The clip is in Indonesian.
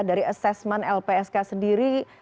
dari assessment lpsk sendiri